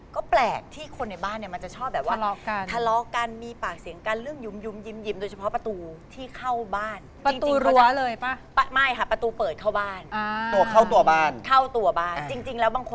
ก็แปลกที่คนในบ้านมันจะชอบแบบว่า